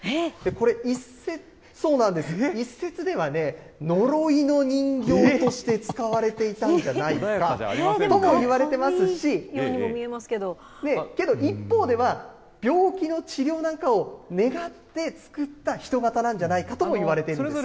これ、一説では呪いの人形として使われていたんじゃないかともいわれてますし、けど、一方では、病気の治療なんかを願って作った人型なんじゃないかともいわれているんです。